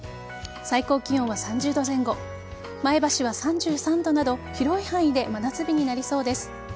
最高気温は３０度前後前橋は３３度など広い範囲で真夏日になりそうです。